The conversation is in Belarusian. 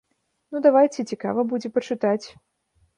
Ну давайце, цікава будзе пачытаць.